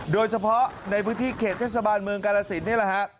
โดยเฉพาะในพื้นที่เขตเทศบาลเมืองกาลสินนี่แหละฮะ